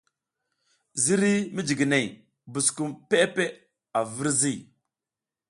Ziriy mijiginey buskum peʼe peʼe a virzi.